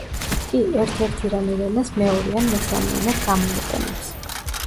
კი ერთ-ერთ ირანულ ენას მეორე ან მესამე ენად გამოიყენებს.